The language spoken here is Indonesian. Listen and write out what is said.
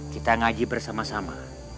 kita ngaji bersama sama